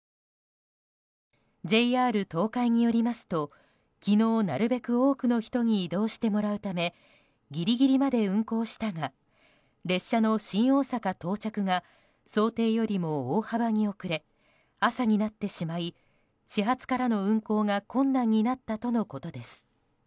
ＪＲ東海によりますと昨日なるべく多くの人に移動してもらうためギリギリまで運行したが列車の新大阪到着が想定よりも大幅に遅れ朝になってしまい始発からの運行が困難になったとのことです。